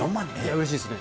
うれしいですね。